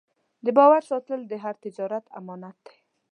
د باور ساتل د هر تجارت امانت دی.